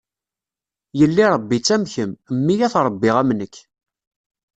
Yelli rebbi-tt am kemm, mmi ad t-rebbiɣ am nekk.